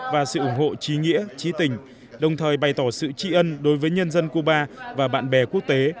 và sự ủng hộ trí nghĩa trí tình đồng thời bày tỏ sự tri ân đối với nhân dân cuba và bạn bè quốc tế